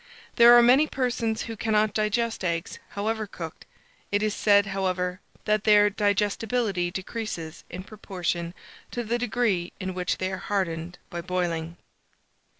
There are many persons who cannot digest eggs, however cooked. It is said, however, that their digestibility decreases in proportion to the degree in which they are hardened by boiling.